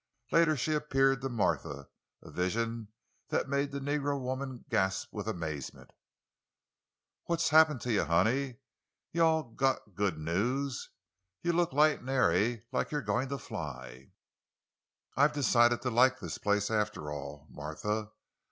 Later she appeared to Martha—a vision that made the negro woman gasp with amazement. "What happen to you, honey? You all git good news? You look light an' airy—like you's goin' to fly!" "I've decided to like this place—after all, Martha.